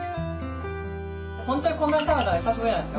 ホントにこんなに食べたの久しぶりなんですよ。